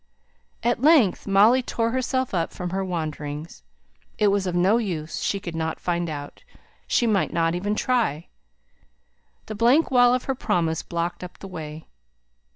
At length Molly tore herself up from her wonderings. It was of no use: she could not find out; she might not even try. The blank wall of her promise blocked up the way.